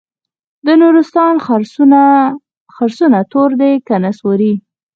د نورستان خرسونه تور دي که نسواري؟